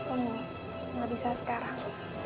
um gak bisa sekarang